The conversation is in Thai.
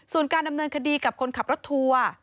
ส่วนการดำเนินคดีกับคนขับรถทัวร์